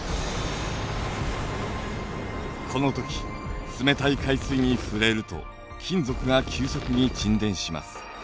この時冷たい海水に触れると金属が急速に沈殿します。